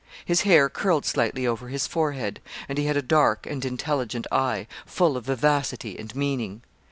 His hair curled slightly over his forehead, and he had a dark and intelligent eye, full of vivacity and meaning.